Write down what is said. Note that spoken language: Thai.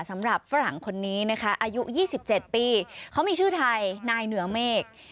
ฝรั่งคนนี้นะคะอายุ๒๗ปีเขามีชื่อไทยนายเหนือเมฆ